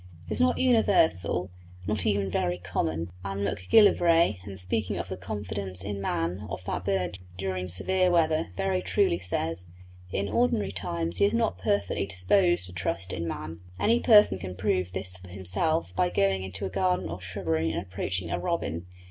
It is not universal, not even very common, and Macgillivray, in speaking of the confidence in men of that bird during severe weather, very truly says, "In ordinary times he is not perfectly disposed to trust in man." Any person can prove this for himself by going into a garden or shrubbery and approaching a robin.